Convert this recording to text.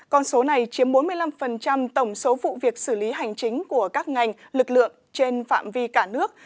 con số này chiếm bốn mươi năm tổng số vụ việc xử lý hành chính của các ngành lực lượng trên phạm vi cả nước